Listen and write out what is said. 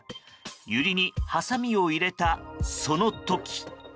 ユリにはさみを入れた、その時！